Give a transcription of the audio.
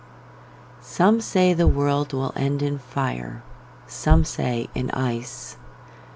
SOME say the world will end in fire, Some say in ice.